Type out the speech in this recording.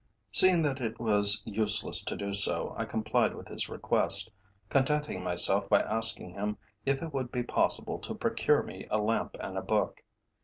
Seeing that it was useless to do so, I complied with his request, contenting myself by asking him if it would be possible to procure me a lamp and a book.